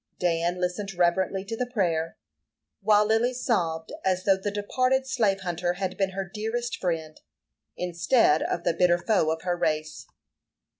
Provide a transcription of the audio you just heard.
Dan listened reverently to the prayer, while Lily sobbed as though the departed slave hunter had been her dearest friend, instead of the bitter foe of her race.